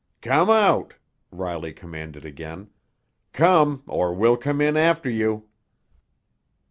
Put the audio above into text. "Come out!" Riley commanded again. "Come—or we'll come in after you!"